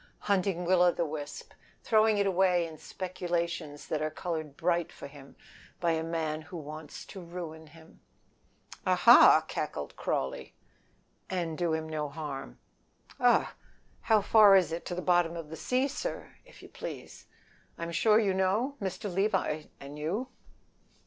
"Hunting Will o' the wisp. Throwing it away in speculations that are colored bright for him by a man that wants to ruin him." "Aha!" cackled Crawley. "And do him no harm." "Augh! How far is it to the bottom of the sea, sir, if you please? I'm sure you know? Mr. Levi and you."